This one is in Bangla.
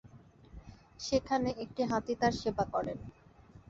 সেখানে, একটি হাতি তার সেবা করেন।